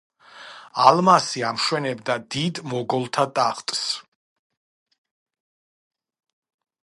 ალმასი ამშვენებდა დიდ მოგოლთა ტახტს.